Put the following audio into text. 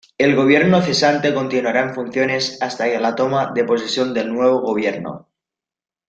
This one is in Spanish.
El Gobierno cesante continuará en funciones hasta la toma de posesión del nuevo Gobierno.